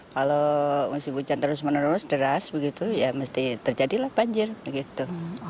kalau musim hujan terus menerus deras begitu ya mesti terjadilah banjir begitu